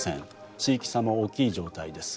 地域差も大きい状態です。